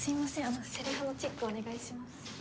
あのセリフのチェックお願いします。